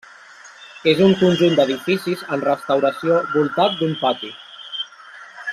És un conjunt d'edificis en restauració voltat d'un pati.